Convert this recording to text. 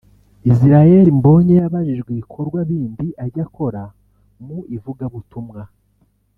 Israel Mbonyi yabajijwe ibikorwa bindi ajya akora mu ivugabutumwa